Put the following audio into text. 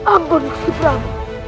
ampun bukti pramuk